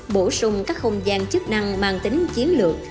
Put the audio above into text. bổ sung các không gian chức năng mang tính chiến lược